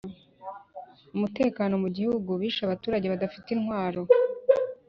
umutekano mu gihugu bishe abaturage badafite intwaro